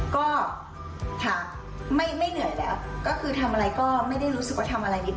ก็ค่ะไม่เหนื่อยแล้วก็คือทำอะไรก็ไม่ได้รู้สึกว่าทำอะไรดี